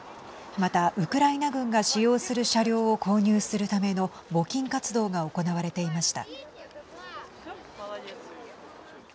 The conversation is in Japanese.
また、ウクライナ軍が使用する車両を購入するための募金活動が行われていました。